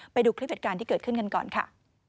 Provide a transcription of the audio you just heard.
ไปดูคลิปเหตุการณ์ที่เกิดขึ้นกันก่อนค่ะ